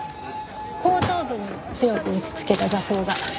後頭部にも強く打ち付けた挫創が。